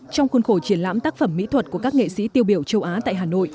trong khuôn khổ triển lãm tác phẩm mỹ thuật của các nghệ sĩ tiêu biểu châu á tại hà nội